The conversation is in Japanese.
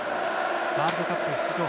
ワールドカップ出場